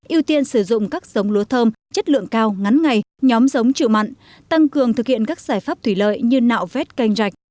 ưu tiên sử dụng các giống lúa thơm chất lượng cao ngắn ngày nhóm giống chịu mặn tăng cường thực hiện các giải pháp thủy lợi như nạo vét canh rạch